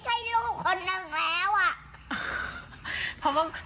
หนูแทบจะไม่ใช่ลูกคนหนึ่งแล้ว